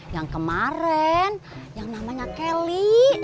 yang kemarin yang namanya kelly